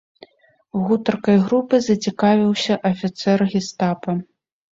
Гутаркай групы зацікавіўся афіцэр гестапа.